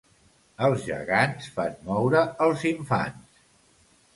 Els gegants fan moure els infants.